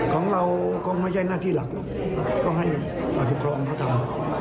ของเราก็ไม่ใช่หน้าที่หลักหรอกก็ให้ฝ่ายปกครองเขาทำ